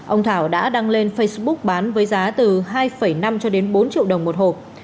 ông thảo đã đăng lên facebook bán với giá từ hai năm cho đến bốn triệu đồng một hộp